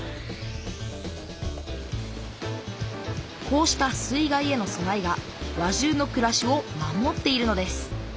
こうした水害へのそなえが輪中のくらしを守っているのです。